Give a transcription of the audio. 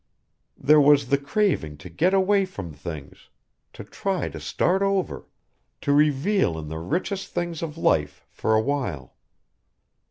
There was the craving to get away from things to try to start over. To revel in the richest things of life for awhile.